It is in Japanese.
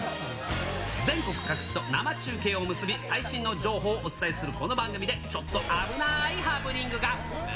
全国各地と生中継を結び、最新の情報をお伝えするこの番組で、ちょっと危ないハプニングが。え？